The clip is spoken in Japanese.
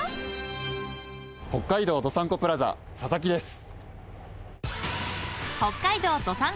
北海道どさんこプラザ佐々木です。